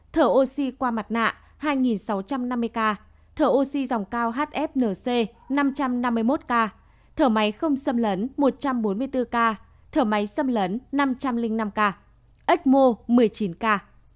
thở oxy qua mặt nạ hai sáu trăm năm mươi ca thở oxy dòng cao hfnc năm trăm năm mươi một ca thở máy không xâm lấn một trăm bốn mươi bốn ca thở máy xâm lấn năm trăm linh năm ca ex mô một mươi chín ca